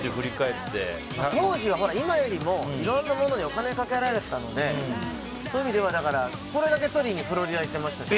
当時は今よりもいろんなものにお金をかけられてたのでそういう意味ではこれだけ撮りにフロリダ行きましたし。